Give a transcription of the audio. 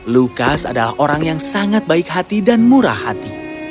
lukas adalah orang yang sangat baik hati dan murah hati